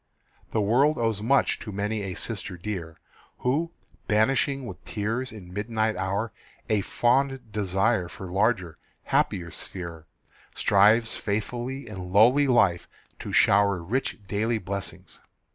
The world owes much to many a sister dear, Who, banishing with tears in midnight hour A fond desire for larger, happier sphere, Strives faithfully in lowly life to shower Rich daily blessings.